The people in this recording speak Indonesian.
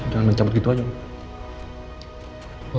jangan mencabut gitu aja